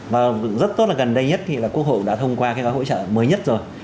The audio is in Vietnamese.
và rất tốt là gần đây nhất thì là quốc hội đã thông qua cái gói hỗ trợ mới nhất rồi